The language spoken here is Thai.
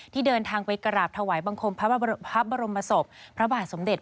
เดินทางไปกราบถวายบังคมพระบรมศพพระบาทสมเด็จ